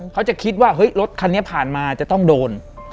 เขาจะคิดว่าเฮ้ยรถคันนี้ผ่านมาจะต้องโดน